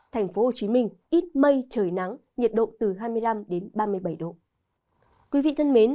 thành phố hồ chí minh ít mây trời nắng nhiệt độ từ hai mươi năm đến ba mươi bảy độ